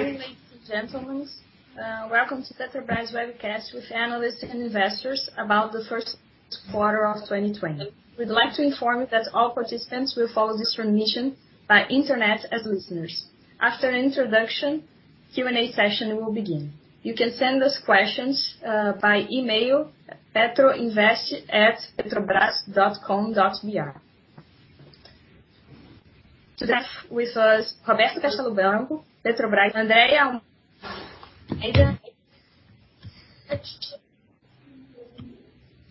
Good morning, ladies and gentlemen. Welcome to Petrobras webcast with analysts and investors about the first quarter of 2020. We'd like to inform you that all participants will follow this transmission by internet as listeners. After an introduction, Q&A session will begin. You can send us questions by email at petroinvest@petrobras.com.br. Today with us, Roberto Castello Branco, Petrobras, Andrea,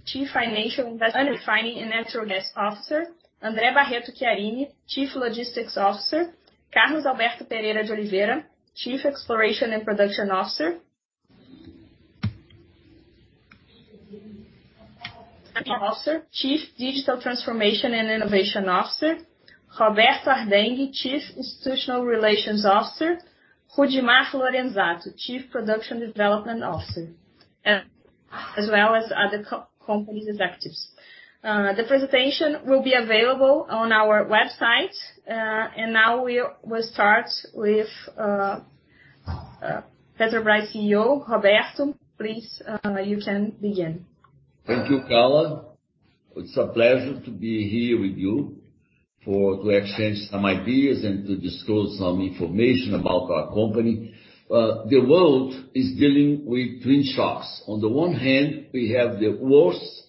Chief Financial Refining and Natural Gas Officer, André Barreto Chiarini, Chief Logistics Officer, Carlos Alberto Pereira de Oliveira, Chief Exploration and Production Officer, Chief Digital Transformation and Innovation Officer, Roberto Ardenghy, Chief Institutional Relations Officer, Rudimar Lorenzatto, Chief Production Development Officer, as well as other company's executives. The presentation will be available on our website. Now we'll start with Petrobras CEO, Roberto. Please, you can begin. Thank you, Carla. It's a pleasure to be here with you to exchange some ideas and to disclose some information about our company. The world is dealing with twin shocks. On the one hand, we have the worst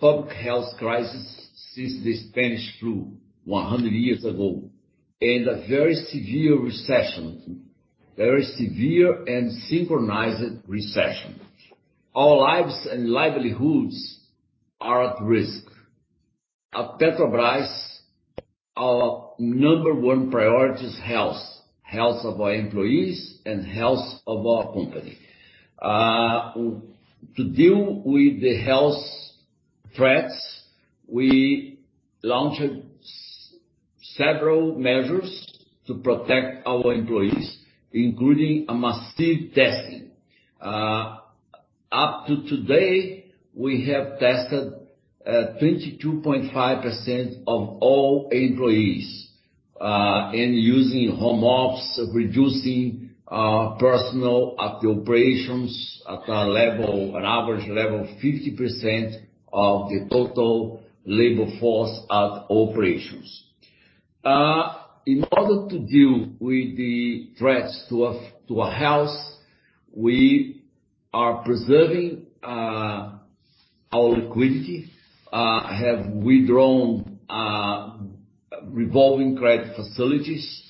public health crisis since the Spanish flu 100 years ago, and a very severe and synchronized recession. Our lives and livelihoods are at risk. At Petrobras, our number one priority is health of our employees and health of our company. To deal with the health threats, we launched several measures to protect our employees, including a massive testing. Up to today, we have tested 22.5% of all employees, and using home office, reducing personal at the operations at an average level of 50% of the total labor force at operations. In order to deal with the threats to our health, we are preserving our liquidity, have withdrawn revolving credit facilities,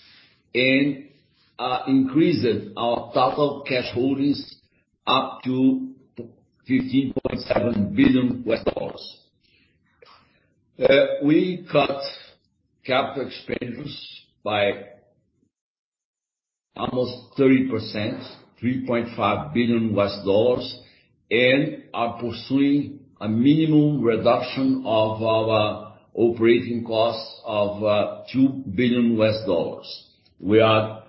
and increased our total cash holdings up to $15.7 billion. We cut capital expenditures by almost 30%, BRL 3.5 billion, and are pursuing a minimum reduction of our operating costs of BRL 2 billion. We are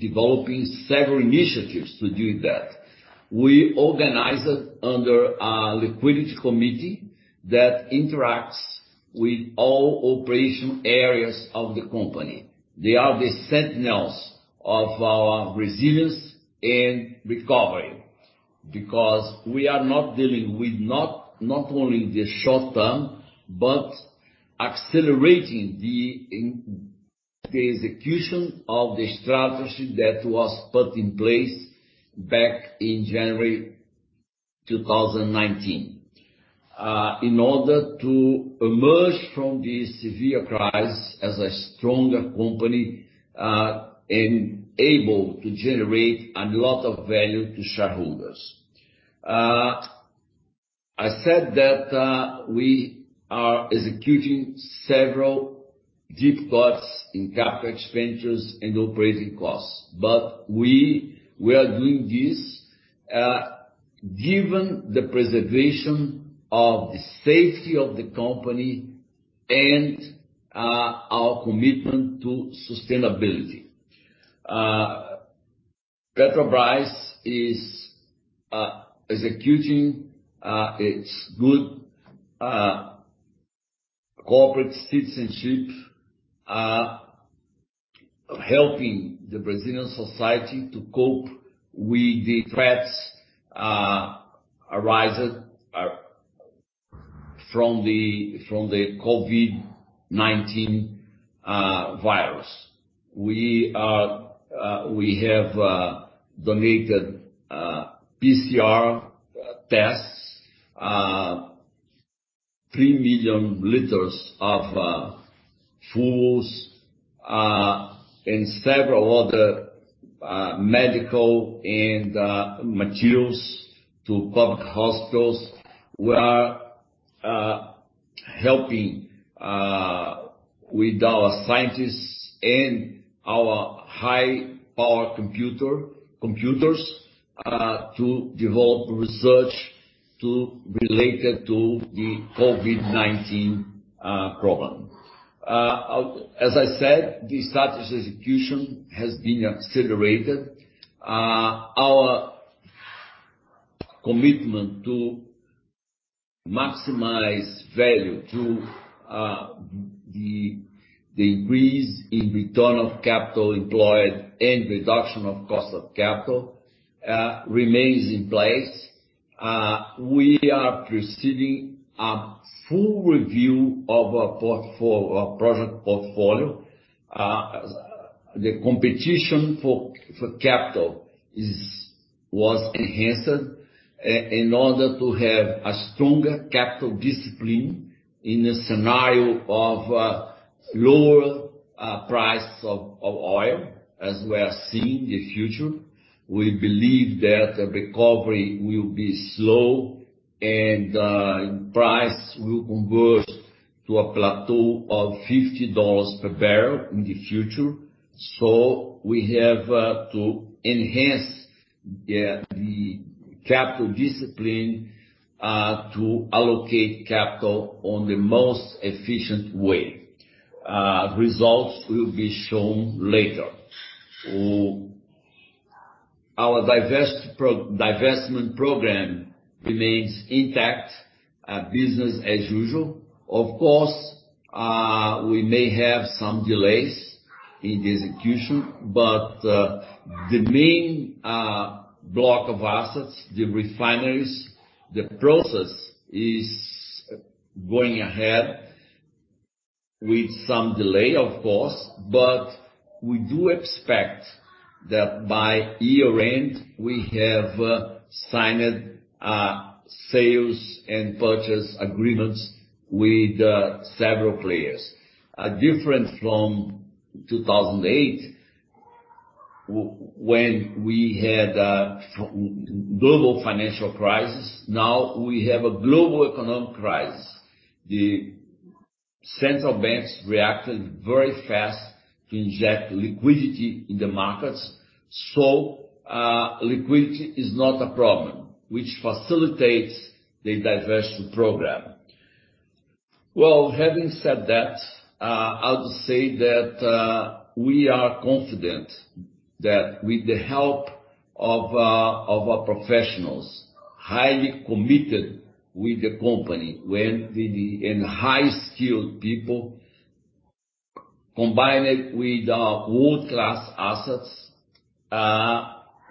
developing several initiatives to do that. We organize it under a liquidity committee that interacts with all operation areas of the company. They are the sentinels of our resilience and recovery because we are not dealing with not only the short term, but accelerating the execution of the strategy that was put in place back in January 2019. In order to emerge from this severe crisis as a stronger company, and able to generate a lot of value to shareholders. I said that we are executing several deep cuts in capital expenditures and operating costs. We are doing this given the preservation of the safety of the company and our commitment to sustainability. Petrobras is executing its good corporate citizenship, helping the Brazilian society to cope with the threats arises from the COVID-19 virus. We have donated PCR tests, 3 million liters of fuels, and several other medical materials to public hospitals. We are helping with our scientists and our high power computers to develop research related to the COVID-19 problem. As I said, the strategy execution has been accelerated. Our commitment to maximize value through the increase in return of capital employed and reduction of cost of capital remains in place. We are proceeding a full review of our project portfolio. The competition for capital was enhanced in order to have a stronger capital discipline in a scenario of lower price of oil, as we are seeing the future. We believe that the recovery will be slow and price will converge to a plateau of $50 per barrel in the future. We have to enhance the capital discipline to allocate capital on the most efficient way. Results will be shown later. Our divestment program remains intact, business as usual. Of course, we may have some delays in the execution, the main block of assets, the refineries, the process is going ahead with some delay, of course, we do expect that by year-end, we have signed sales and purchase agreements with several players. Different from 2008, when we had a global financial crisis, now we have a global economic crisis. The central banks reacted very fast to inject liquidity in the markets. Liquidity is not a problem, which facilitates the divestment program. Well, having said that, I'll say that we are confident that with the help of our professionals, highly committed with the company, and high-skilled people, combined with world-class assets,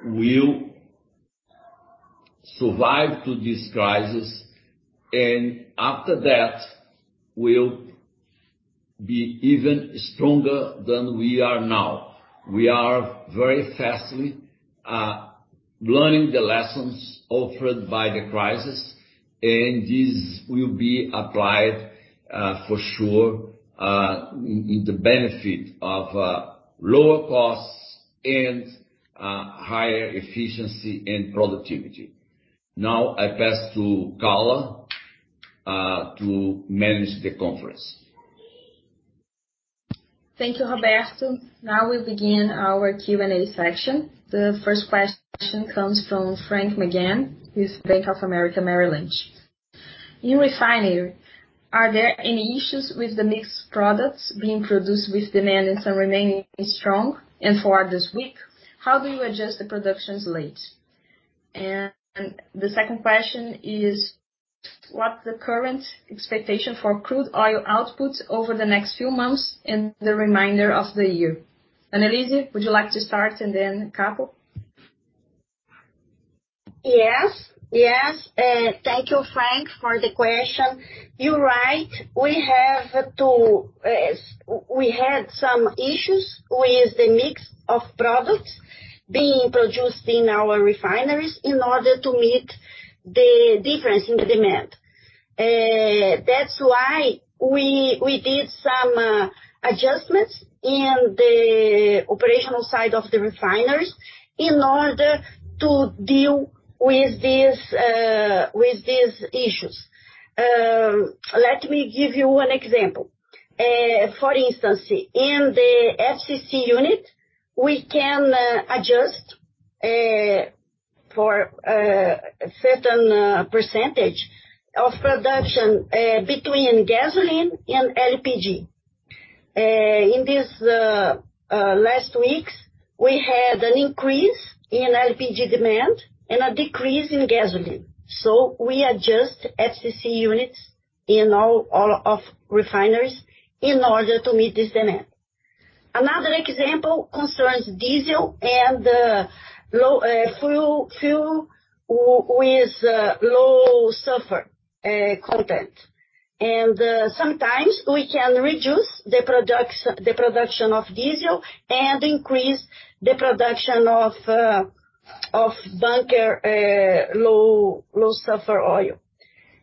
we'll survive through this crisis, and after that, we'll be even stronger than we are now. We are very fastly learning the lessons offered by the crisis, and these will be applied for sure in the benefit of lower costs and higher efficiency and productivity. Now I pass to Carla to manage the conference. Thank you, Roberto. Now we begin our Q&A section. The first question comes from Frank McGann with Bank of America, Merrill Lynch. In refinery, are there any issues with the mixed products being produced with demand and some remaining strong? For this week, how do you adjust the productions late? The second question is, what's the current expectation for crude oil outputs over the next few months and the remainder of the year? Anelise, would you like to start and then Capo? Yes. Thank you, Frank, for the question. You're right. We had some issues with the mix of products being produced in our refineries in order to meet the difference in demand. That's why we did some adjustments in the operational side of the refineries in order to deal with these issues. Let me give you one example. For instance, in the FCC unit, we can adjust for a certain % of production between gasoline and LPG. In these last weeks, we had an increase in LPG demand and a decrease in gasoline. We adjust FCC units in all of refineries in order to meet this demand. Another example concerns diesel and fuel with low sulfur content. Sometimes we can reduce the production of diesel and increase the production of bunker low sulfur oil.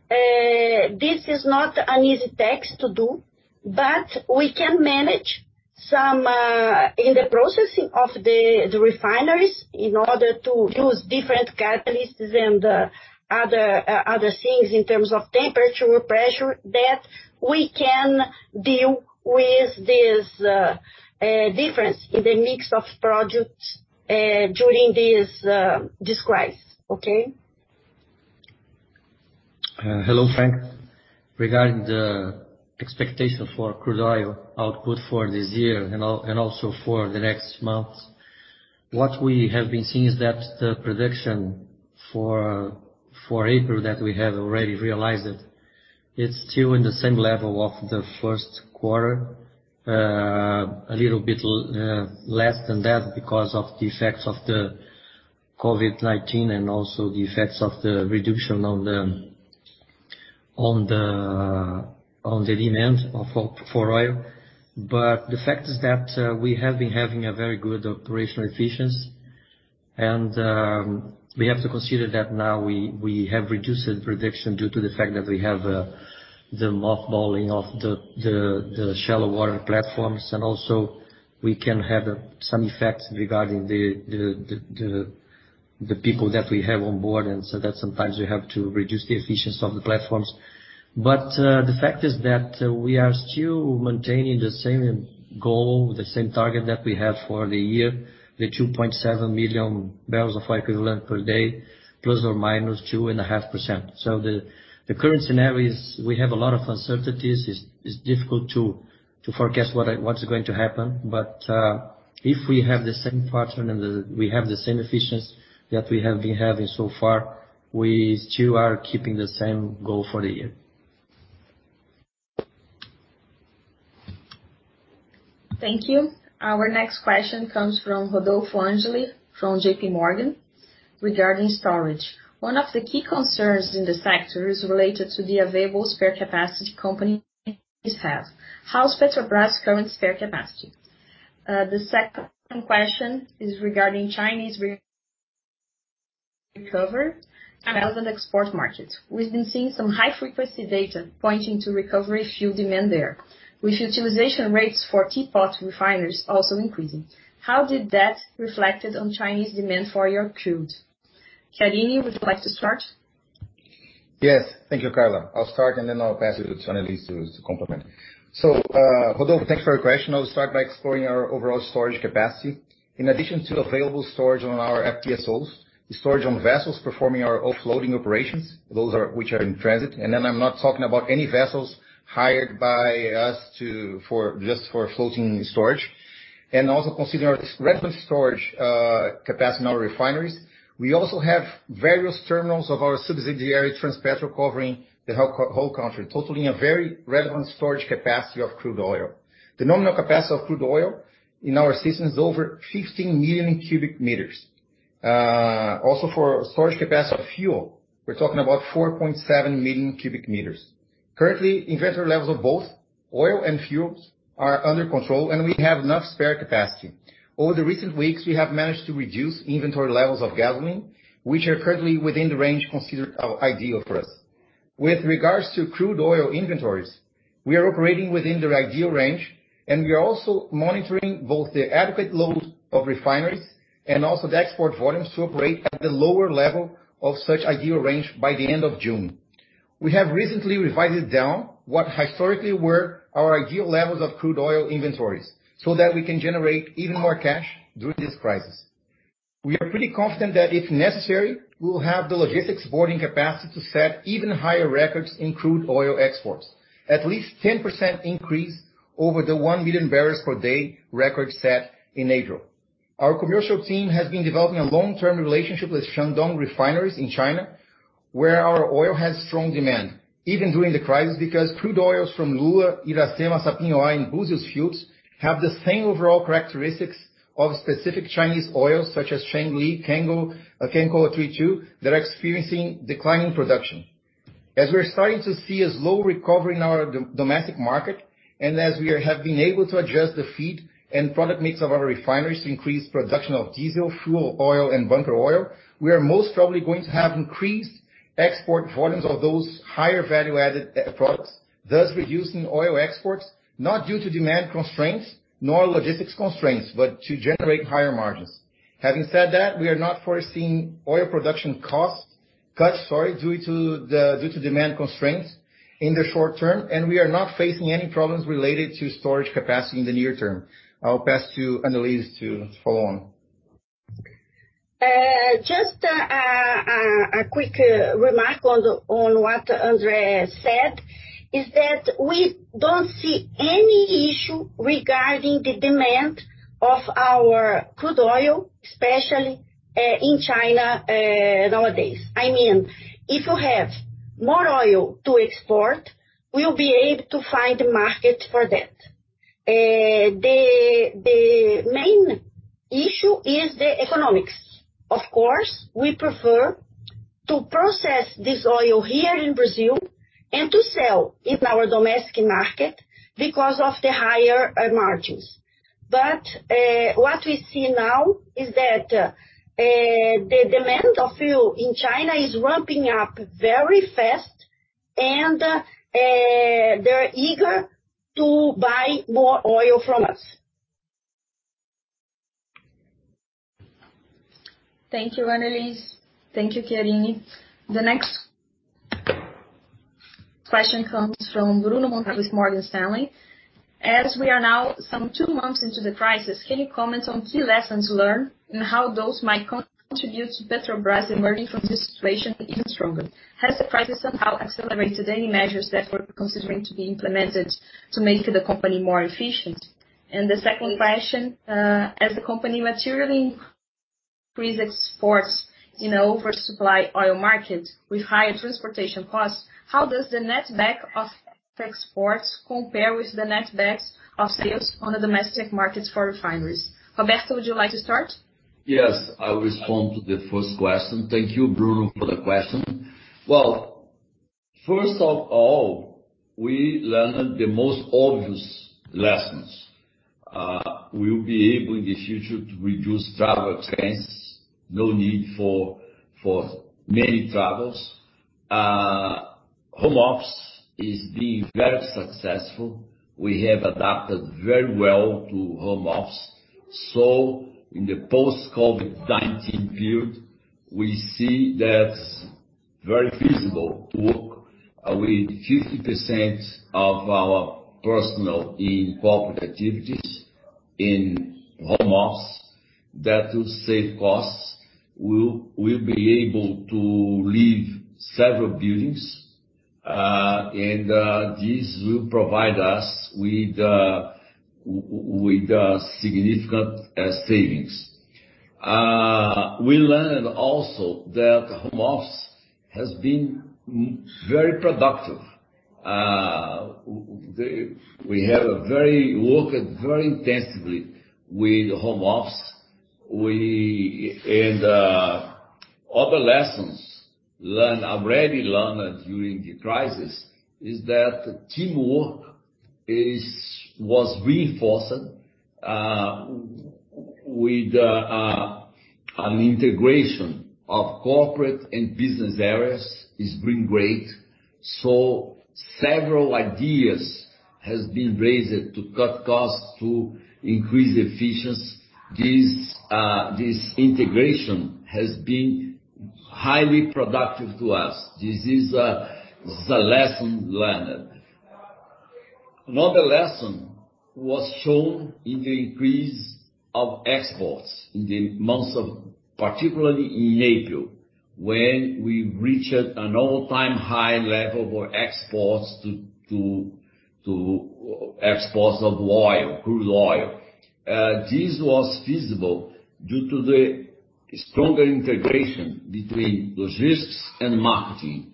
This is not an easy task to do, but we can manage some in the processing of the refineries in order to use different catalysts and other things in terms of temperature or pressure, that we can deal with this difference in the mix of products during this crisis. Okay? Hello, Frank. Regarding the expectation for crude oil output for this year and also for the next months, what we have been seeing is that the prediction for April that we have already realized, it's still in the same level of the first quarter. A little bit less than that because of the effects of the COVID-19 and also the effects of the reduction on the demand for oil. The fact is that we have been having a very good operational efficiency. We have to consider that now we have reduced the production due to the fact that we have the mothballing of the shallow water platforms, and also we can have some effects regarding the people that we have on board, and so that sometimes we have to reduce the efficiency of the platforms. The fact is that we are still maintaining the same goal, the same target that we have for the year, the 2.7 million barrels of oil equivalent per day, ±2.5%. The current scenario is we have a lot of uncertainties. It's difficult to forecast what's going to happen. If we have the same pattern and we have the same efficiency that we have been having so far, we still are keeping the same goal for the year. Thank you. Our next question comes from Rodolfo Angele from J.P. Morgan regarding storage. One of the key concerns in the sector is related to the available spare capacity companies have. How is Petrobras' current spare capacity? The second question is regarding Chinese recovery travel and export markets. We've been seeing some high-frequency data pointing to recovery fuel demand there, with utilization rates for teapot refiners also increasing. How did that reflect on Chinese demand for your crude? Chiarini, would you like to start? Yes. Thank you, Carla. I'll start, and then I'll pass it to Anelise to complement. Rodolfo, thanks for your question. I'll start by exploring our overall storage capacity. In addition to available storage on our FPSOs, the storage on vessels performing our offloading operations, those which are in transit, and then I'm not talking about any vessels hired by us just for floating storage, and also consider relevant storage capacity in our refineries. We also have various terminals of our subsidiary, Transpetro, covering the whole country, totaling a very relevant storage capacity of crude oil. The nominal capacity of crude oil in our system is over 15 million cubic meters. Also for storage capacity of fuel, we're talking about 4.7 million cubic meters. Currently, inventory levels of both oil and fuels are under control, and we have enough spare capacity. Over the recent weeks, we have managed to reduce inventory levels of gasoline, which are currently within the range considered ideal for us. With regards to crude oil inventories, we are operating within their ideal range, and we are also monitoring both the adequate load of refineries and also the export volumes to operate at the lower level of such ideal range by the end of June. We have recently revised down what historically were our ideal levels of crude oil inventories so that we can generate even more cash during this crisis. We are pretty confident that if necessary, we will have the logistics boarding capacity to set even higher records in crude oil exports. At least 10% increase over the 1 million barrels per day record set in April. Our commercial team has been developing a long-term relationship with Shandong refineries in China, where our oil has strong demand, even during the crisis, because crude oils from Lula, Iracema, Sapinhoá, and Búzios fields have the same overall characteristics of specific Chinese oils such as Changqing, Cangzhou, and Kenli that are experiencing declining production. As we're starting to see a slow recovery in our domestic market, and as we have been able to adjust the feed and product mix of our refineries to increase production of diesel, fuel oil, and bunker oil, we are most probably going to have increased export volumes of those higher value-added end products, thus reducing oil exports, not due to demand constraints nor logistics constraints, but to generate higher margins. Having said that, we are not foreseeing oil production cost cut, sorry, due to demand constraints in the short term, and we are not facing any problems related to storage capacity in the near term. I'll pass to Anelise to follow on. Just a quick remark on what André said, is that we don't see any issue regarding the demand of our crude oil, especially in China nowadays. If you have more oil to export, we'll be able to find a market for that. The main issue is the economics. Of course, we prefer to process this oil here in Brazil and to sell in our domestic market because of the higher margins. What we see now is that the demand of fuel in China is ramping up very fast, and they're eager to buy more oil from us. Thank you, Anelise. Thank you, Chiarini. The next question comes from Bruno Montanari with Morgan Stanley. As we are now some 2 months into the crisis, can you comment on key lessons learned and how those might contribute to Petrobras emerging from this situation even stronger? Has the crisis somehow accelerated any measures that we're considering to be implemented to make the company more efficient? The second question, as the company materially increase exports in an oversupply oil market with higher transportation costs, how does the netback of exports compare with the netbacks of sales on the domestic markets for refineries? Roberto, would you like to start? Yes, I'll respond to the first question. Thank you, Bruno, for the question. Well, first of all, we learned the most obvious lessons. We'll be able, in the future, to reduce travel expense. No need for many travels. Home office is being very successful. We have adapted very well to home office. In the post-COVID-19 period, we see that's very feasible to work with 50% of our personnel in corporate activities in home office. That will save costs. We'll be able to leave several buildings, and this will provide us with significant savings. We learned also that home office has been very productive. We have worked very intensively with home office. Other lessons already learned during the crisis is that teamwork was reinforced, with an integration of corporate and business areas is doing great. Several ideas has been raised to cut costs, to increase efficiency. This integration has been highly productive to us. This is the lesson learned. Another lesson was shown in the increase of exports Particularly in April, when we reached an all-time high level for exports of oil, crude oil. This was feasible due to the stronger integration between logistics and marketing.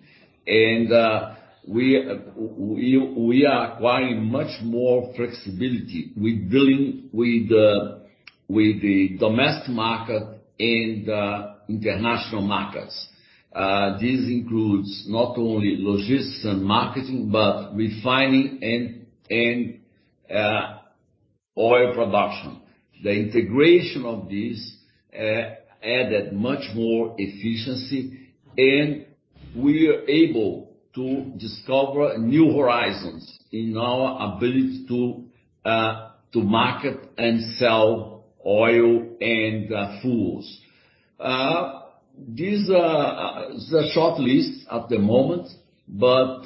We are acquiring much more flexibility with dealing with the domestic market and international markets. This includes not only logistics and marketing, but refining and oil production. The integration of this added much more efficiency, and we are able to discover new horizons in our ability to market and sell oil and fuels. This is a short list at the moment, but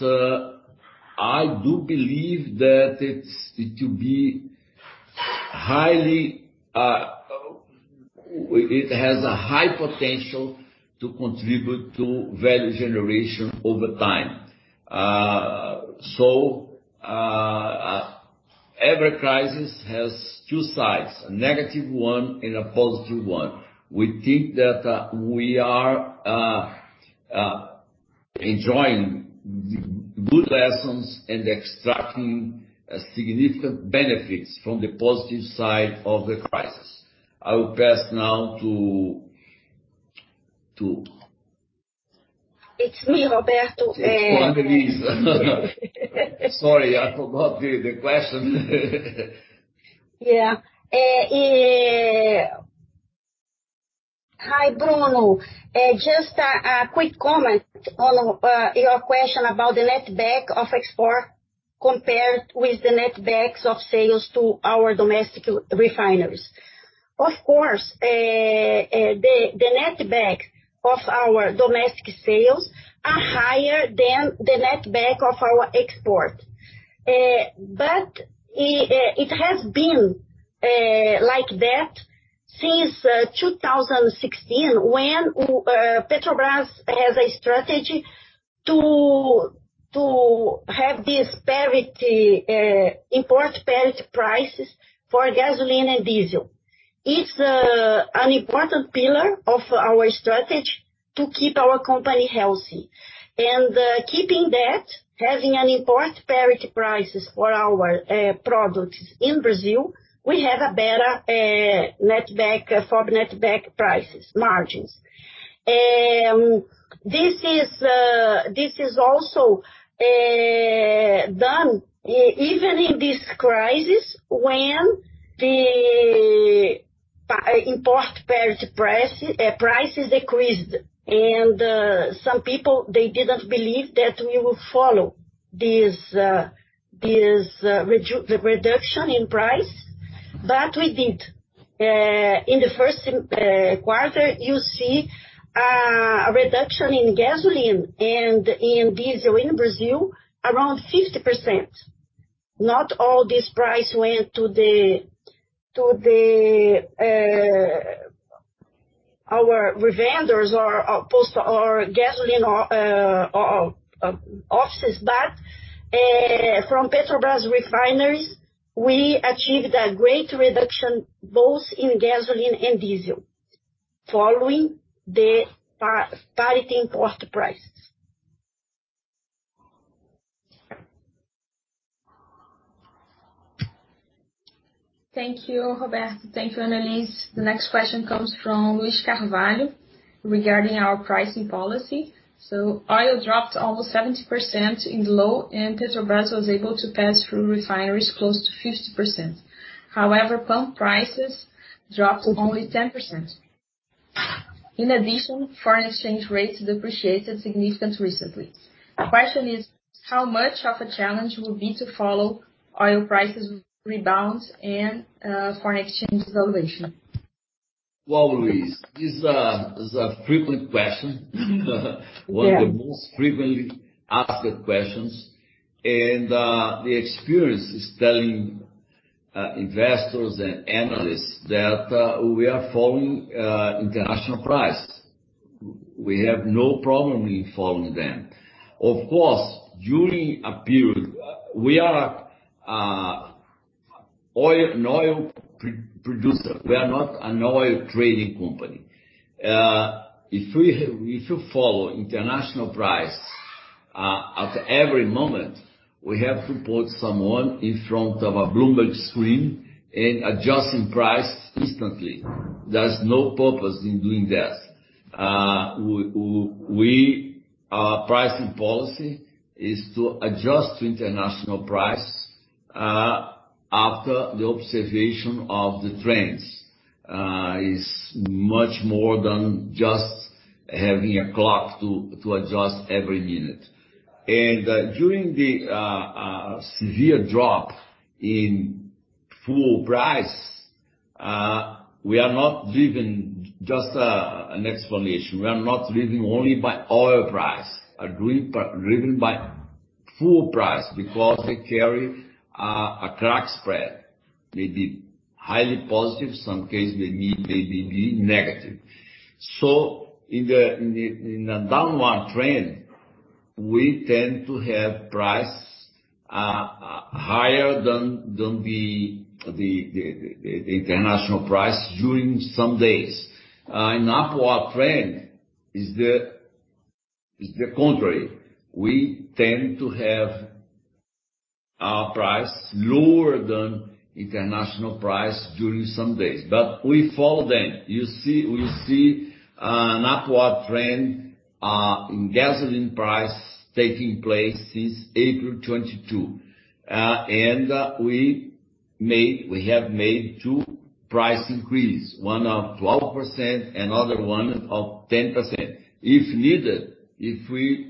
I do believe that it has a high potential to contribute to value generation over time. Every crisis has two sides, a negative one and a positive one. We think that we are enjoying the good lessons and extracting significant benefits from the positive side of the crisis. I will pass now to It's me, Roberto. It's for Anelise. Sorry, I forgot the question. Yeah. Hi, Bruno. Just a quick comment on your question about the netback of export compared with the netbacks of sales to our domestic refineries. Of course, the netback of our domestic sales are higher than the netback of our export. It has been like that since 2016 when Petrobras has a strategy to have this import parity prices for gasoline and diesel. It's an important pillar of our strategy to keep our company healthy. Keeping that, having an import parity prices for our products in Brazil, we have a better netback for netback prices margins. This is also done even in this crisis when the import parity prices decreased. Some people, they didn't believe that we will follow this reduction in price, but we did. In the first quarter, you see a reduction in gasoline and in diesel in Brazil around 50%. Not all this price went to our vendors or gasoline offices, but from Petrobras refineries, we achieved a great reduction both in gasoline and diesel following the parity import prices. Thank you, Roberto. Thank you, Anelise. The next question comes from Luiz Carvalho regarding our pricing policy. Oil dropped almost 70% in the low, and Petrobras was able to pass through refineries close to 50%. However, pump prices dropped only 10%. In addition, foreign exchange rates depreciated significantly recently. The question is, how much of a challenge will be to follow oil prices rebounds and foreign exchange valuation? Well, Luiz, this is a frequent question. Yeah. One of the most frequently asked questions, the experience is telling investors and analysts that we are following international price. We have no problem in following them. Of course, during a period, we are an oil producer. We are not an oil trading company. If you follow international price at every moment, we have to put someone in front of a Bloomberg screen and adjusting price instantly. There's no purpose in doing that. Our pricing policy is to adjust to international price after the observation of the trends. It's much more than just having a clock to adjust every minute. During the severe drop in fuel price, just an explanation, we are not driven only by oil price, are driven by fuel price because they carry a crack spread. May be highly positive, some case may be negative. In the downward trend, we tend to have prices higher than the international price during some days. In upward trend is the contrary. We tend to have our price lower than international price during some days. We follow them. We see an upward trend in gasoline price taking place since April 2020. We have made two price increase, one of 12%, another one of 10%. If needed, if we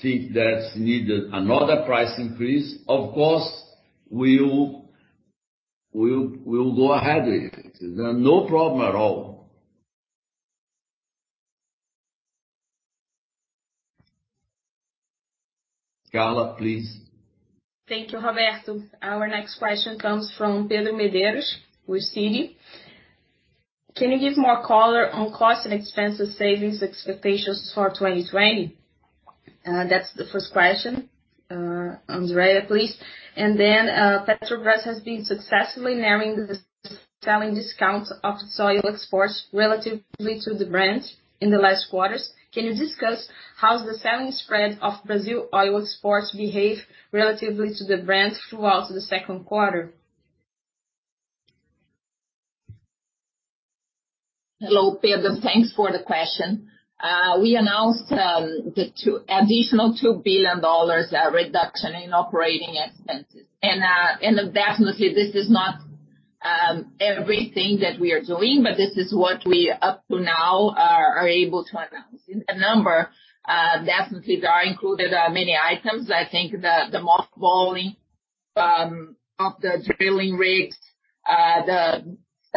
think that's needed another price increase, of course, we'll go ahead with it. There are no problem at all. Carla, please. Thank you, Roberto. Our next question comes from Pedro Medeiros with Citigroup. Can you give more color on cost and expenses savings expectations for 2020? That's the first question. André, please. Petrobras has been successfully narrowing the selling discounts of its oil exports relatively to the Brent in the last quarters. Can you discuss how the selling spread of Brazil oil exports behave relatively to the Brent throughout the second quarter? Hello, Pedro. Thanks for the question. We announced the additional BRL 2 billion reduction in OpEx. Definitely, this is not everything that we are doing, but this is what we up to now are able to announce. In the number, definitely there are included many items. I think the mothballing of the drilling rigs,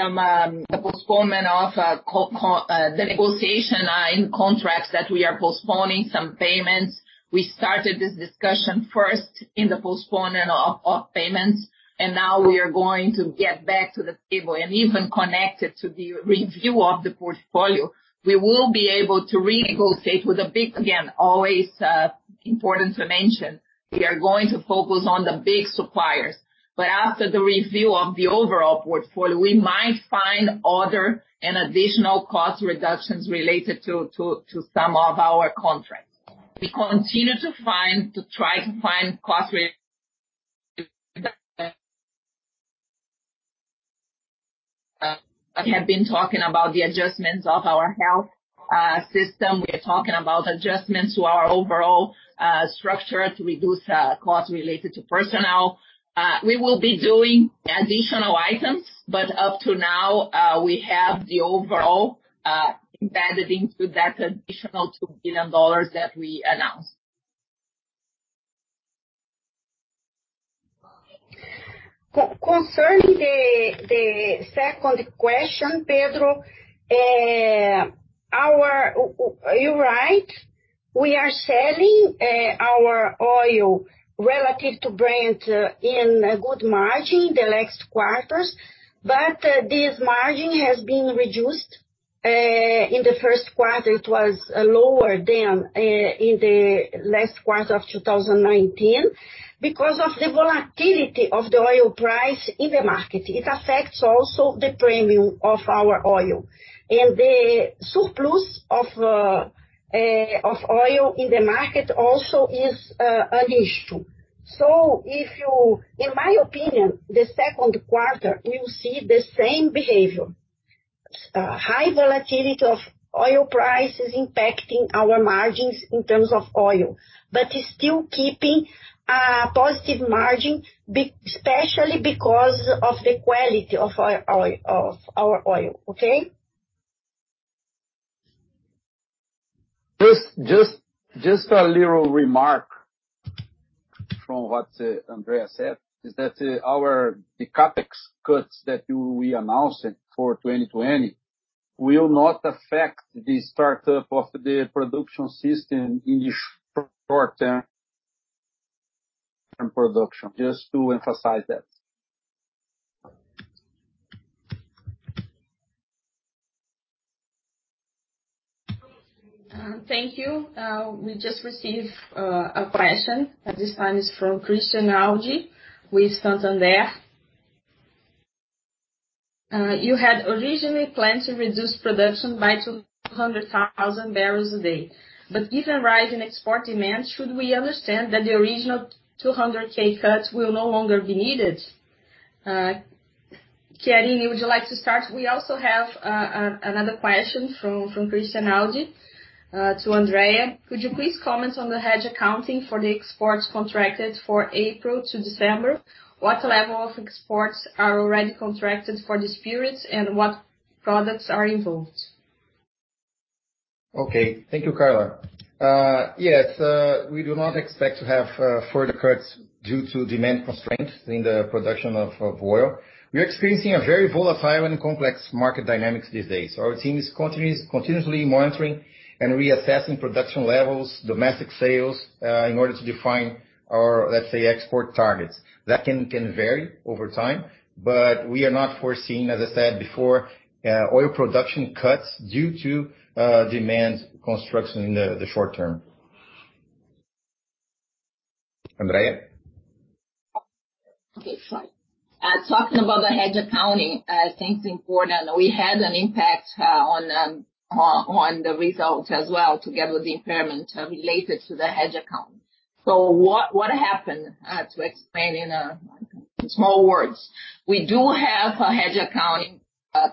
the postponement of the negotiation in contracts that we are postponing some payments. We started this discussion first in the postponement of payments, now we are going to get back to the table and even connect it to the review of the portfolio. We will be able to renegotiate with a big, again, always important to mention, we are going to focus on the big suppliers. After the review of the overall portfolio, we might find other and additional cost reductions related to some of our contracts. We continue to try to find cost. I have been talking about the adjustments of our health system. We're talking about adjustments to our overall structure to reduce costs related to personnel. We will be doing additional items, up to now, we have the overall embedded into that additional BRL 2 billion that we announced. Concerning the second question, Pedro, you're right. We are selling our oil relative to Brent in a good margin the last quarters, this margin has been reduced. In the first quarter, it was lower than in the last quarter of 2019 because of the volatility of the oil price in the market. It affects also the premium of our oil. The surplus of oil in the market also is an issue. In my opinion, the second quarter, you'll see the same behavior. High volatility of oil prices impacting our margins in terms of oil, but still keeping a positive margin, especially because of the quality of our oil. Okay? Just a little remark from what Andrea said is that our CapEx cuts that we announced for 2020 will not affect the startup of the production system in the short term production. Just to emphasize that. Thank you. We just received a question. This one is from Christian Audi with Santander. You had originally planned to reduce production by 200,000 barrels a day, given rise in export demand, should we understand that the original 200K cuts will no longer be needed? Chiarini, would you like to start? We also have another question from Christian Audi to Andrea. Could you please comment on the hedge accounting for the exports contracted for April to December? What level of exports are already contracted for this period, and what products are involved? Okay. Thank you, Carla. Yes, we do not expect to have further cuts due to demand constraints in the production of oil. We are experiencing a very volatile and complex market dynamics these days. Our team is continuously monitoring and reassessing production levels, domestic sales, in order to define our, let's say, export targets. That can vary over time, but we are not foreseeing, as I said before, oil production cuts due to demand constraints in the short term. Andrea? Okay, fine. Talking about the hedge accounting, I think it's important, we had an impact on the results as well, together with the impairment related to the hedge account. What happened, to explain in small words, we do have a hedge accounting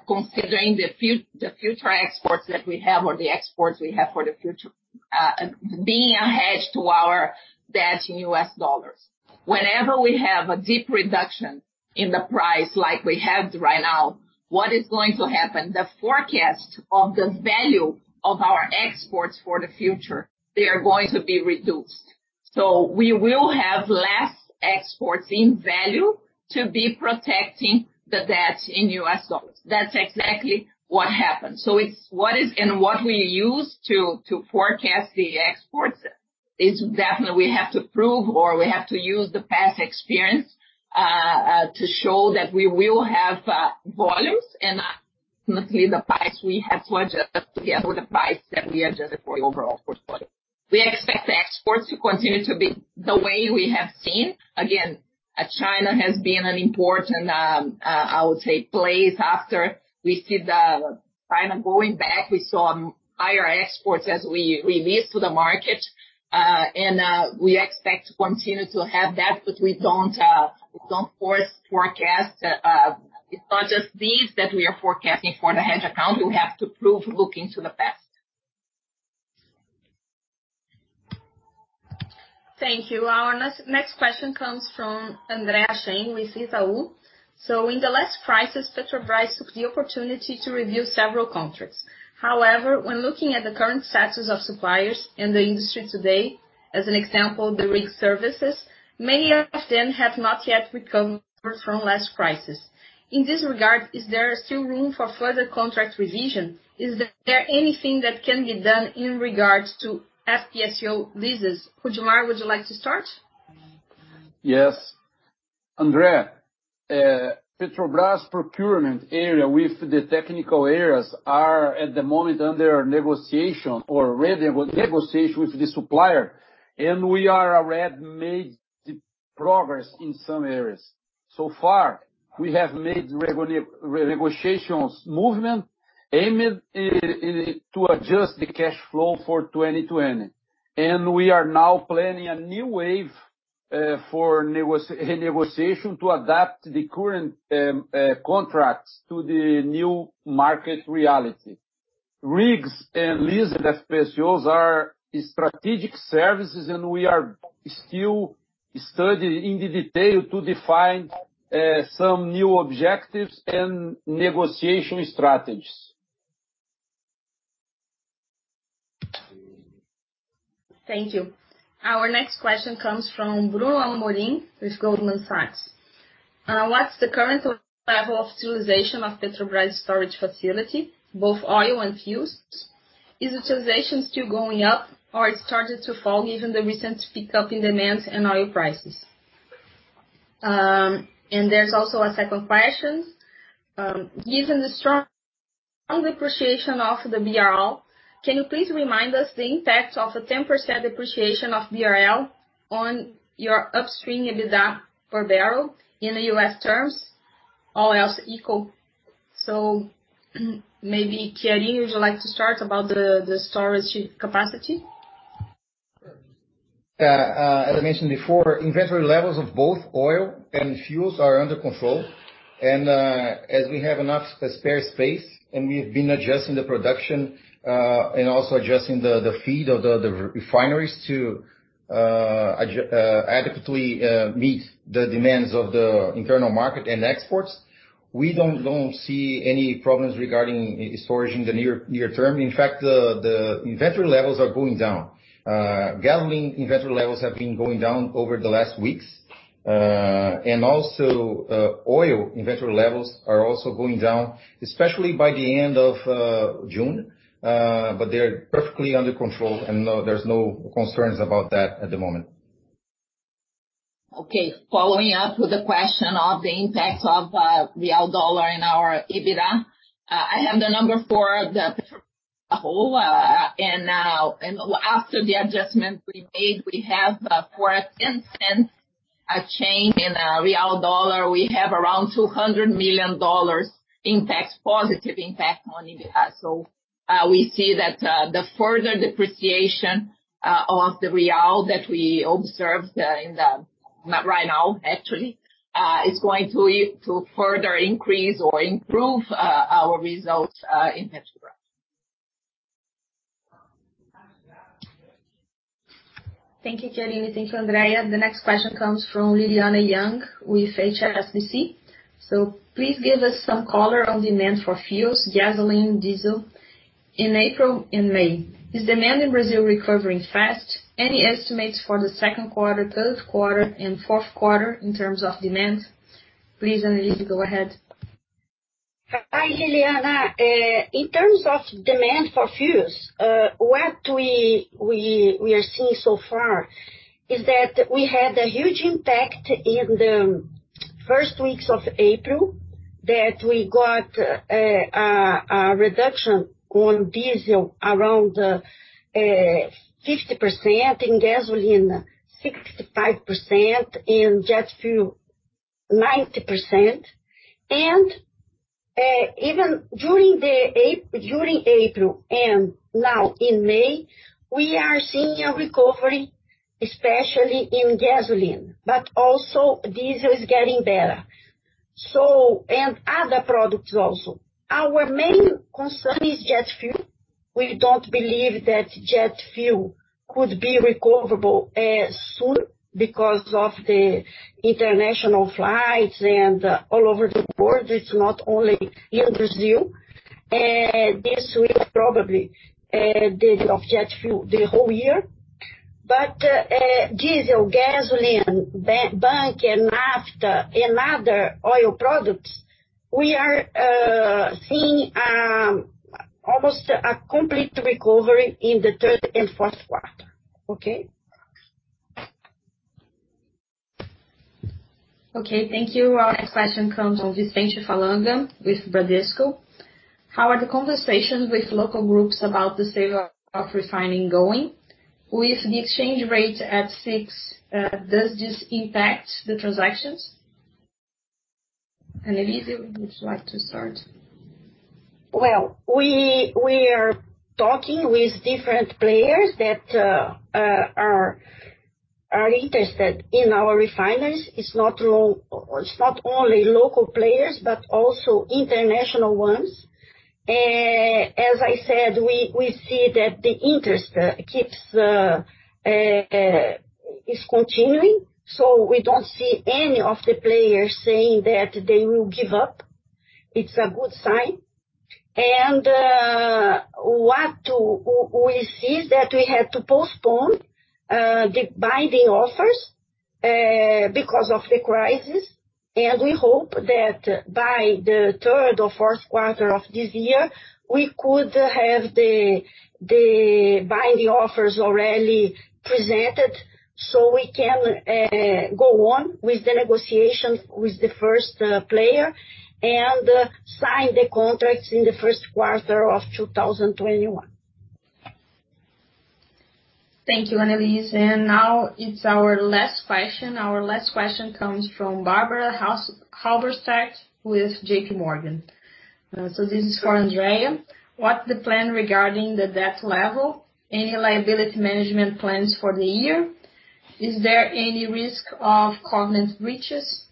considering the future exports that we have or the exports we have for the future being a hedge to our debt in US dollars. Whenever we have a deep reduction in the price like we have right now, what is going to happen? The forecast of the value of our exports for the future, they are going to be reduced. We will have less exports in value to be protecting the debt in US dollars. That's exactly what happened. What we use to forecast the exports is definitely we have to prove or we have to use the past experience to show that we will have volumes and ultimately the price we have to adjust together with the price that we adjusted for the overall portfolio. We expect exports to continue to be the way we have seen. Again, China has been an important, I would say, place after we see the China going back, we saw higher exports as we released to the market. We expect to continue to have that, but we don't forecast. It's not just these that we are forecasting for the hedge account. We have to prove looking to the past. Thank you. Our next question comes from Andrea Chain with Itaú BBA. In the last crisis, Petrobras took the opportunity to review several contracts. However, when looking at the current status of suppliers in the industry today, as an example, the RIG services, many of them have not yet recovered from last crisis. In this regard, is there still room for further contract revision? Is there anything that can be done in regards to FPSO leases? Rudimar, would you like to start? Yes. Andrea, Petrobras procurement area with the technical areas are at the moment under negotiation or re-negotiation with the supplier, and we are already made progress in some areas. So far, we have made renegotiations movement aimed to adjust the cash flow for 2020. We are now planning a new wave for negotiation to adapt the current contracts to the new market reality. Rigs and leases FPSOs are strategic services, and we are still studying in the detail to define some new objectives and negotiation strategies. Thank you. Our next question comes from Bruno Amorim with Goldman Sachs. What's the current level of utilization of Petrobras storage facility, both oil and fuels? Is utilization still going up, or it started to fall given the recent pickup in demands and oil prices? There's also a second question. Given the strong depreciation of the BRL, can you please remind us the impact of a 10% depreciation of BRL on your upstream EBITDA per barrel in the U.S. terms, all else equal? Maybe Chiarini, would you like to start about the storage capacity? Sure. As I mentioned before, inventory levels of both oil and fuels are under control. As we have enough spare space, and we've been adjusting the production, and also adjusting the feed of the refineries to adequately meet the demands of the internal market and exports. We don't see any problems regarding storage in the near term. In fact, the inventory levels are going down. Gasoline inventory levels have been going down over the last weeks. Also, oil inventory levels are also going down, especially by the end of June. They're perfectly under control, and there's no concerns about that at the moment. Okay. Following up with the question of the impact of real dollar in our EBITDA. I have the number for the whole, and after the adjustment we made, we have for a 0.10 a change in real dollar, we have around BRL 200 million positive impact on EBITDA. We see that the further depreciation of the real that we observe right now actually, is going to further increase or improve our results in Petrobras. Thank you, Chiarini. Thank you, Andrea. The next question comes from Lilyanna Yang with HSBC. Please give us some color on demand for fuels, gasoline, diesel in April and May. Is demand in Brazil recovering fast? Any estimates for the second quarter, third quarter, and fourth quarter in terms of demand? Please, Anelise, go ahead. Hi, Lilyanna. In terms of demand for fuels, what we are seeing so far is that we had a huge impact in the first weeks of April, that we got a reduction on diesel around 50%, in gasoline 65%, in jet fuel 90%. Even during April and now in May, we are seeing a recovery, especially in gasoline, but also diesel is getting better. Other products also. Our main concern is jet fuel. We don't believe that jet fuel could be recoverable soon because of the international flights and all over the board, it's not only in Brazil. This will probably delay of jet fuel the whole year. Diesel, gasoline, bunker and other oil products, we are seeing almost a complete recovery in the third and fourth quarter. Okay. Okay. Thank you. Our next question comes from Vicente Falanga with Bradesco. How are the conversations with local groups about the sale of refining going? With the exchange rate at six, does this impact the transactions? Anelise, would you like to start? Well, we are talking with different players that are interested in our refineries. It's not only local players, but also international ones. As I said, we see that the interest is continuing. We don't see any of the players saying that they will give up. It's a good sign. What we see is that we had to postpone the binding offers because of the crisis, and we hope that by the third or fourth quarter of this year, we could have the binding offers already presented so we can go on with the negotiations with the first player and sign the contracts in the first quarter of 2021. Thank you, Anelise. Now it's our last question. Our last question comes from Barbara Halberstadt with J.P. Morgan. This is for Andrea. What's the plan regarding the debt level? Any liability management plans for the year? Is there any risk of covenant breaches?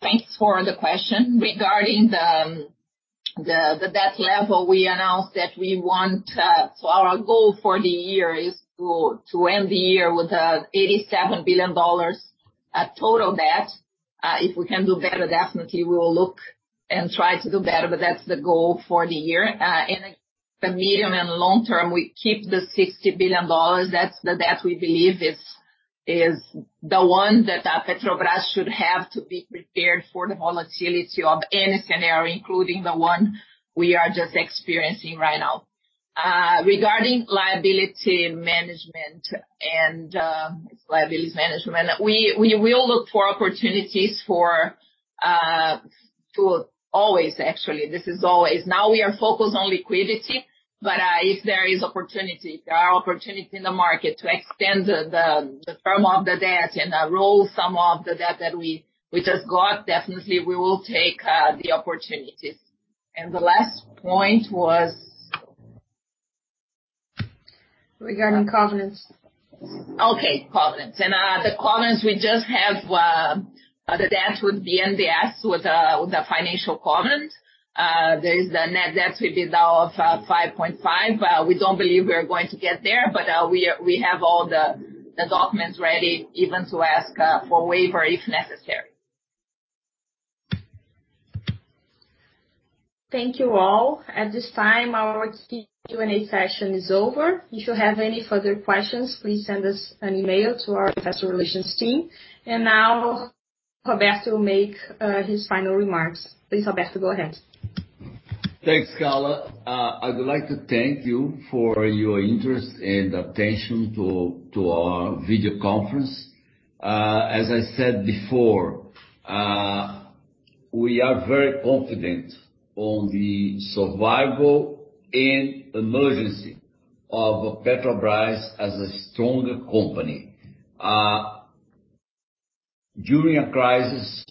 Thanks for the question. Regarding the debt level, we announced that our goal for the year is to end the year with $87 billion total debt. If we can do better, definitely we will look and try to do better, but that's the goal for the year. In the medium and long term, we keep the $60 billion. That's the debt we believe is the one that Petrobras should have to be prepared for the volatility of any scenario, including the one we are just experiencing right now. Regarding liabilities management. We will look for opportunities for Always, actually. This is always. We are focused on liquidity, but if there are opportunities in the market to extend the term of the debt and roll some of the debt that we just got, definitely we will take the opportunities. The last point was Regarding covenants. Okay, covenants. The covenants we just have, the debt with BNDES, with the financial covenant. There is the net debt to EBITDA of 5.5. We don't believe we are going to get there, but we have all the documents ready, even to ask for a waiver if necessary. Thank you all. At this time, our Q&A session is over. If you have any further questions, please send us an email to our investor relations team. Now Roberto will make his final remarks. Please, Roberto, go ahead. Thanks, Carla. I would like to thank you for your interest and attention to our video conference. As I said before, we are very confident on the survival and emergence of Petrobras as a stronger company. During a crisis,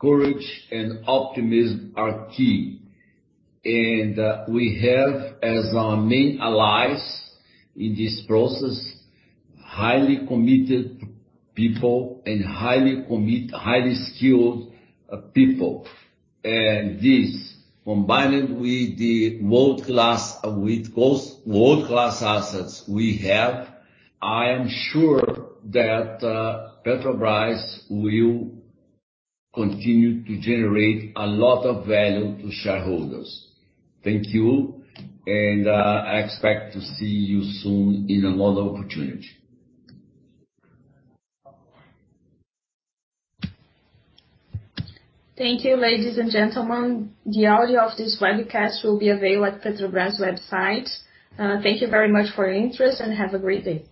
courage and optimism are key. We have, as our main allies in this process, highly committed people and highly skilled people. This, combined with the world-class assets we have, I am sure that Petrobras will continue to generate a lot of value to shareholders. Thank you, and I expect to see you soon in another opportunity. Thank you, ladies and gentlemen. The audio of this webcast will be available at Petrobras website. Thank you very much for your interest, and have a great day.